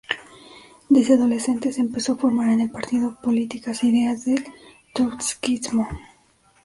Desde adolescente se empezó a formar en el partido, políticas e ideas del trotskismo.